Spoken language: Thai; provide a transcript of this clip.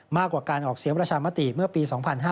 มากกว่าการออกเสียงประชามติเมื่อปี๒๕๕๙